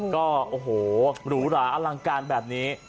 ก็โอ้โหหรูหราอลังการแบบนี้